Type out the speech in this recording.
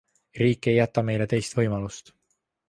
Riik ei jäta meile teist võimalust.